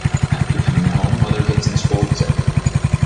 After coming home mother hits and scolds him.